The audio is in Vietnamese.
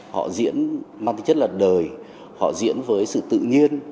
họ diễn mang tính chất là đời họ diễn với sự tự nhiên